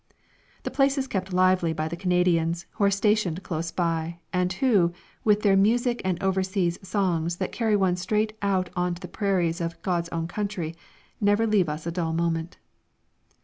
The place is kept lively by the Canadians, who are stationed close by, and who, with their music and overseas songs that carry one straight out on to the prairies of "God's Own Country," never leave us a dull moment.